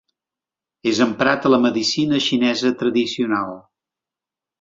És emprat a la medicina xinesa tradicional.